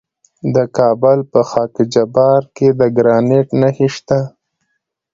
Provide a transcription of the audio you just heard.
د کابل په خاک جبار کې د ګرانیټ نښې شته.